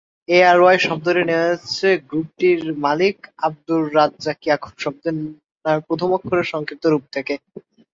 ARY শব্দটি নেওয়া হয়েছে গ্রুপটি মালিক "আব্দুর রাজ্জাক ইয়াকুব" শব্দের নামের প্রথম অক্ষর এর সংক্ষিপ্ত রুপ থেকে।